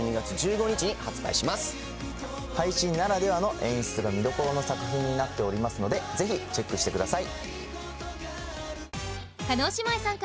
配信ならではの演出が見どころの作品になっておりますのでぜひチェックしてください。